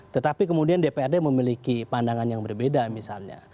tetapi kemudian dprd memiliki pandangan yang berbeda misalnya